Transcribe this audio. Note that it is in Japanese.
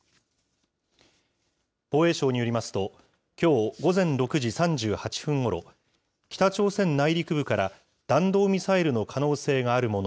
防衛省によりますと、きょう午前６時３８分ごろ、北朝鮮内陸部から弾道ミサイルの可能性があるもの